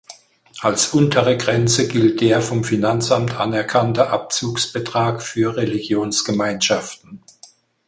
Als untere Grenze gilt der vom Finanzamt anerkannte Abzugs-Betrag für Religionsgemeinschaften.